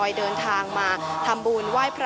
พาคุณผู้ชมไปติดตามบรรยากาศกันที่วัดอรุณราชวรรมหาวิหารค่ะ